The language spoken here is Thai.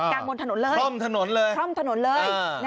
กางบนถนนเลยคล่อมถนนเลย